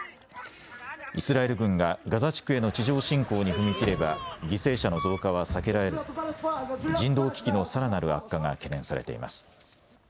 イスラエル軍がガザ地区への地上侵攻に踏み切れば犠牲者の増加は避けられず人道危機のさらなる悪化が懸念されています。